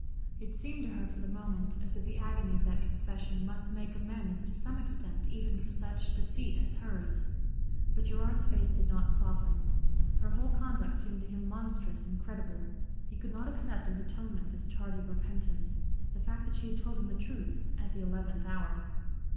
It seemed to her for the moment as if the agony of that confession must make amends to some extent even for such deceit as hers. But Gerard's face did not soften. Her whole conduct seemed to him monstrous, incredible. He could not accept as atonement this tardy repentance, the fact that she had told him the truth at the eleventh hour.